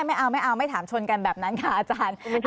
ไม่เอาไม่เอาไม่ถามชนกันแบบนั้นค่ะอาจารย์